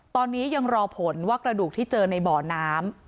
ตอนนี้ยังรอผลว่ากระดูกที่เจอในบ่อน้ำ